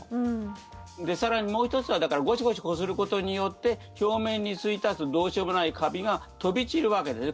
更に、もう１つはゴシゴシこすることによって表面についたどうしようもないカビが飛び散るわけですね